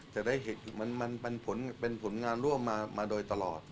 จะได้เห็นมันเป็นผลงานร่วมมาโดยตลอด